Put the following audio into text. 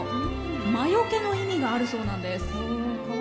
魔よけの意味があるそうなんです。